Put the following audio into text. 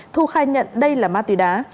thu khai nhận đây là ma túy đá